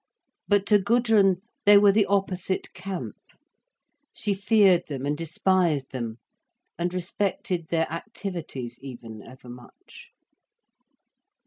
But to Gudrun, they were the opposite camp. She feared them and despised them, and respected their activities even overmuch.